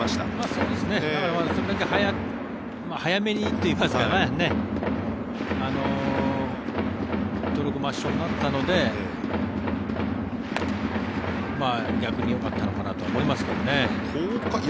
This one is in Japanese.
その時早めにといいますか登録抹消になったので逆によかったのかなとは思いますけどね。